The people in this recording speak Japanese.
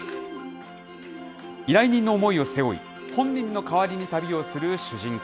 依頼人の思いを背負い、本人の代わりに旅をする主人公。